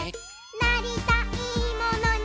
「なりたいものに」